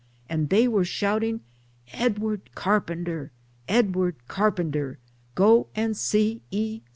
], and they were shouting 'Edward Carpenter, 'Edward Carpenter, go and see E.